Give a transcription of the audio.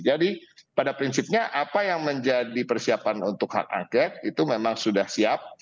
jadi pada prinsipnya apa yang menjadi persiapan untuk hak angket itu memang sudah siap